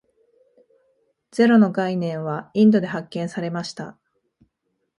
ゼロの概念はインドで発明されました。